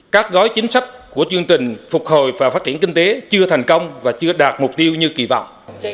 các gói chính sách của chương trình phục hồi và phát triển kinh tế chưa thành công và chưa đạt mục tiêu như kỳ vọng